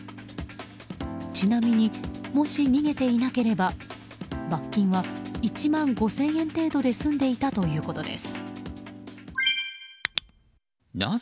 ちなみに、もし逃げていなければ罰金は１万５０００円程度で済んでいたということです。